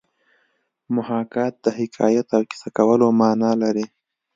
محاکات د حکایت او کیسه کولو مانا لري